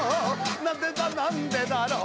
「なんでだなんでだろう」